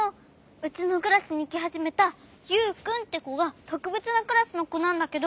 うちのクラスにきはじめたユウくんってこがとくべつなクラスのこなんだけど。